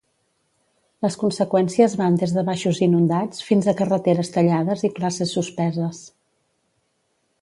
Les conseqüències van des de baixos inundats, fins a carreteres tallades i classes suspeses.